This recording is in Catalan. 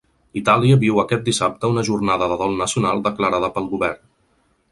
Itàlia viu aquest dissabte una jornada de dol nacional declarada pel govern.